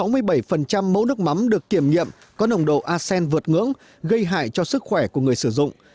sáu mươi bảy mẫu nước mắm được kiểm nghiệm có nồng độ asean vượt ngưỡng gây hại cho sức khỏe của người sử dụng